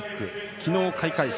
昨日、開会式。